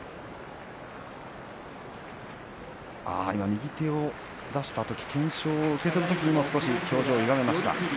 右手を出したときに懸賞を受け取るときも表情ゆがめました。